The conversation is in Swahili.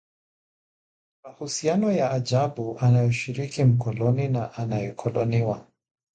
Ni mahusiano ya ajabu anayoshiriki mkoloni na aliyekoloniwa